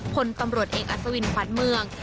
พลตำรวจเอกอัศวินขวัญเมือง